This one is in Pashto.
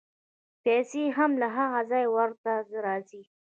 پیسې هم له هغه ځایه ورته راځي.